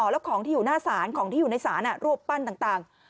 แล้วของที่อยู่หน้าศาลของที่อยู่ในศาลรูปปั้นต่าง